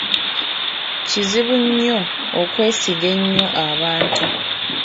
Kizibu nnyo okwesiga ennyo abantu.